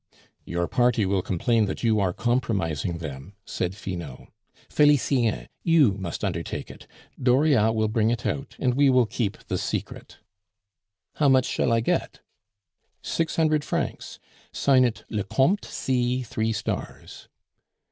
"Your party will complain that you are compromising them," said Finot. "Felicien, you must undertake it; Dauriat will bring it out, and we will keep the secret." "How much shall I get?" "Six hundred francs. Sign it 'Le Comte C, three stars.